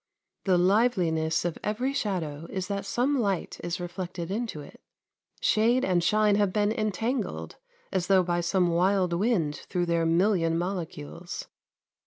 The liveliness of every shadow is that some light is reflected into it; shade and shine have been entangled as though by some wild wind through their million molecules.